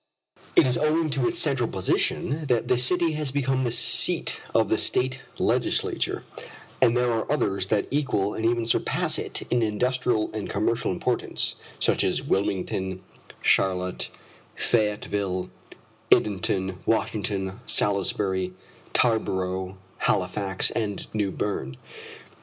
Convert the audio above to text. It is owing to its central position that this city has become the seat of the State legislature, for there are others that equal and even surpass it in industrial and commercial importance, such as Wilmington, Charlotte, Fayetteville, Edenton, Washington, Salisbury, Tarborough, Halifax, and New Berne.